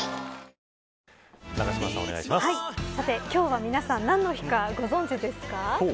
今日は皆さん何の日か、ご存じですか。